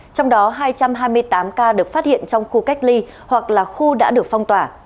trong đó hai trăm hai mươi tám ca được phát hiện trong khu cách ly hoặc là khu đã được phong tỏa